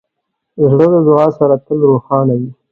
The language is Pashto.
زړه د دعا سره تل روښانه وي.